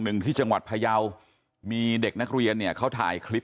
หนึ่งที่จังหวัดพยาวมีเด็กนักเรียนเนี่ยเขาถ่ายคลิป